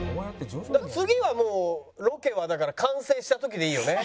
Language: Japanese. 次はもうロケはだから完成した時でいいよね。